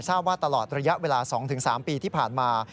ทราบว่าตลอดระยะเวลา๒๓ปีที่ผ่านมา